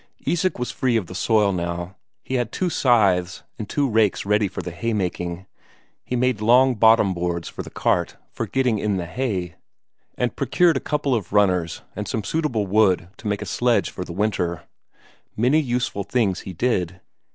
Isak was free of the soil now; he had two scythes and two rakes ready for the haymaking; he made long bottom boards for the cart for getting in the hay, and procured a couple of runners and some suitable wood to make a sledge for the winter. Many useful things he did.